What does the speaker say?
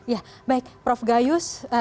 ya baik prof gayus